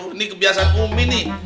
ini kebiasaan umi nih